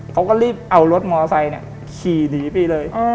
เขาก็รีบเอารถมอเตอร์ไซค์เนี่ยขี่หนีไปเลย